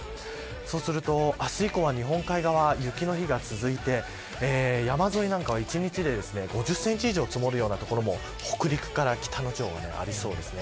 そうすると明日以降は日本海側雪の日が続いて山沿なんかは１日で５０センチ以上積もるような所も北陸から北の地方はありそうですね。